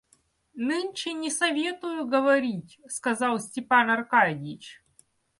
Нынче не советую говорить, — сказал Степан Аркадьич.